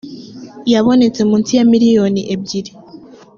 habonetse munsi ya miliyoni ebyiri